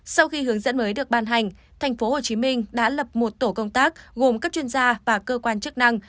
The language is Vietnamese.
sau khi hướng dẫn mới được ban hành tp hcm đã lập một tổ công tác gồm các chuyên gia và cơ quan chức năng